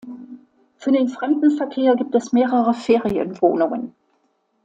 Für den Fremdenverkehr gibt es mehrere Ferienwohnungen.